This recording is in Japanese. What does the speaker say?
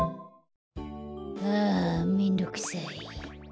あめんどくさい。